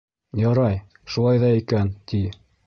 Ярай, шулай ҙа икән, ти.